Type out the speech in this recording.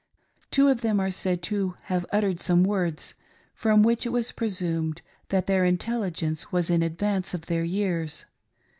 Two of them are said to have uttered some words from which it was presumed that their intelligence was in advance of their years.